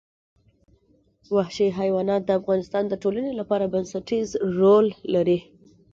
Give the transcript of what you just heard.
وحشي حیوانات د افغانستان د ټولنې لپاره بنسټيز رول لري.